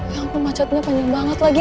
ya ampun macetnya panjang banget lagi